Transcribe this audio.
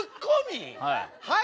はい。